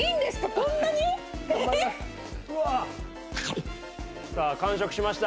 こんなに！？さあ完食しました。